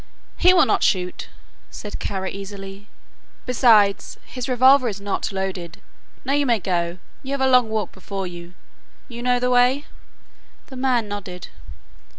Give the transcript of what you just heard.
"He will not shoot," said Kara easily. "Besides, his revolver is not loaded. Now you may go. You have a long walk before you. You know the way?" The man nodded.